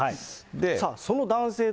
さあ、その男性